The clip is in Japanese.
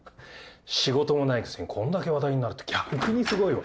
仕事もないくせにこんだけ話題になるって逆にすごいわ。